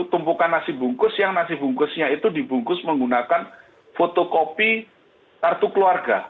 tumpukan nasi bungkus yang nasi bungkusnya itu dibungkus menggunakan fotokopi kartu keluarga